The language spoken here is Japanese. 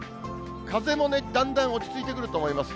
風もね、だんだん落ち着いてくると思います。